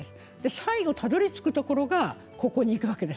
最後、たどりつくところがここに行くわけです。